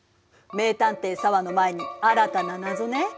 名探偵紗和の前に新たな謎ね。